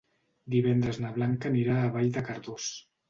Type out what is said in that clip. Divendres na Blanca anirà a Vall de Cardós.